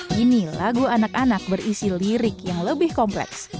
kini lagu anak anak berisi lirik yang lebih kompleks